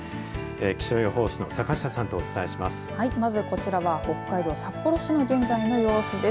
気象予報士の坂下さんとお伝えします。